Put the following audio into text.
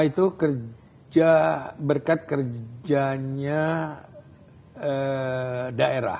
itu berkat kerjanya daerah